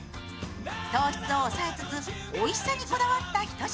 糖質を抑えつつおいしさにこだわった一品。